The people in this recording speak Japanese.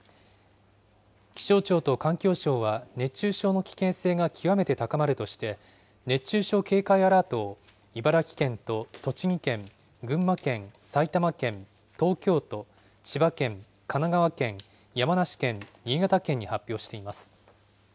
気象庁と環境省は、熱中症の危険性が極めて高まるとして、熱中症警戒アラートを茨城県と栃木県、群馬県、埼玉県、東京都、千葉県、神奈川県、山梨県、新潟県に発表しています。